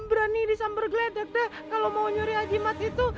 berani disambergledek deh kalau mau nyuri ajimat itu